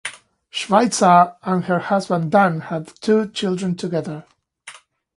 Schweitzer and her husband Dan have two children together.